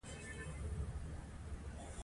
د مطالعې لپاره باید ارام چاپیریال وټاکل شي.